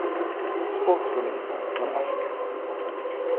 Sportswomen from Africa.